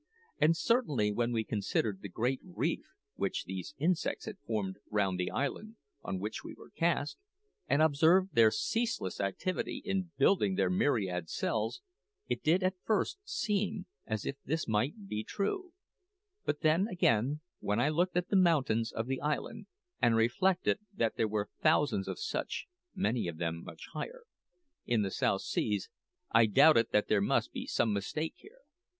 And certainly, when we considered the great reef which these insects had formed round the island on which we were cast, and observed their ceaseless activity in building their myriad cells, it did at first seem as if this might be true; but then, again, when I looked at the mountains of the island, and reflected that there were thousands of such (many of them much higher) in the South Seas, I doubted that there must be some mistake here.